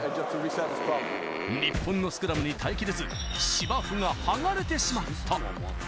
日本のスクラムに耐えきれず、芝生が剥がれてしまった。